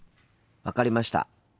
分かりました。